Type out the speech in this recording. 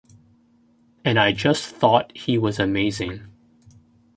And I just thought he was amazing.